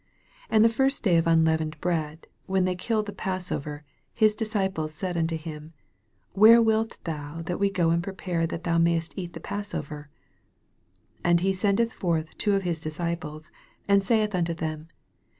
12 And the first day of unleavened bread, when they killed the Passover, his disciples said unto him, Where wilt thou that we go and prepare that thou mayest eat the Passover ? 13 And he sendeth forth two of his disciples, and saith unto them.